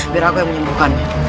biar aku yang menyembuhkan